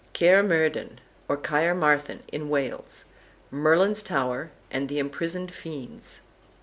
CAER MERDIN, OR CAERMARTHEN (IN WALES), MERLIN'S TOWER, AND THE IMPRISONED FIENDS.